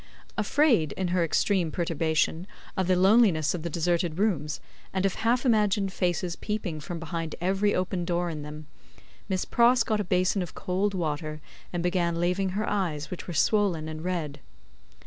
Afraid, in her extreme perturbation, of the loneliness of the deserted rooms, and of half imagined faces peeping from behind every open door in them, Miss Pross got a basin of cold water and began laving her eyes, which were swollen and red.